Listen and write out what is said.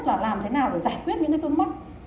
là làm thế nào để giải quyết những cái vướng mắt